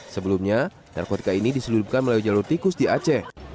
sebelumnya narkotika ini diseluruhkan melalui jalur tikus di aceh